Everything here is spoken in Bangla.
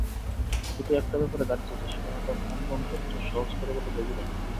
শুধু একটা ব্যাপারে ঘাটতি আছে, সেটা হলো নন্দনতত্ত্ব, সহজ করে বললে গভীরতা।